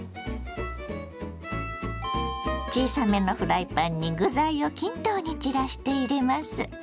小さめのフライパンに具材を均等に散らして入れます。